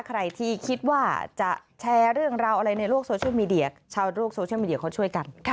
ใครที่คิดว่าจะแชร์เรื่องราวอะไรในโลกโซเชียลมีเดียชาวโลกโซเชียลมีเดียเขาช่วยกัน